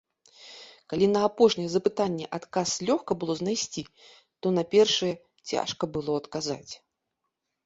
Калі на апошняе запытанне адказ лёгка было знайсці, то на першыя цяжка было адказаць.